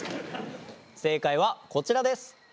正解はこちらです。